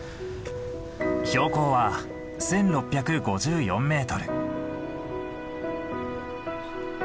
標高は１，６５４ｍ。